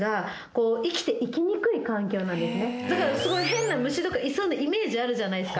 だからすごい変な虫とかいそうなイメージあるじゃないですか。